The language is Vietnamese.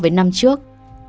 so với năm trước